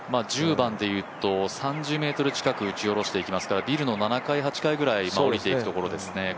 １０番でいうと３０ｍ近く打ち下ろしていきますからビルの７８階ぐらい落ちていくところですね。